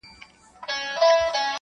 o ځئ چي باطل پسي د عدل زولنې و باسو,